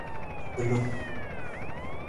Gbelung.